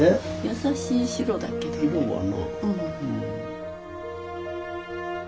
優しい白だけどね。